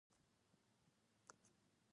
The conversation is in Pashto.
خبرې د شخصیت دروازې دي